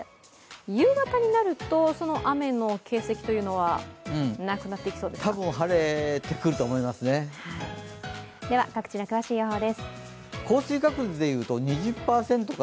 夕方になると、その雨の形跡はなくなっていきそうですか。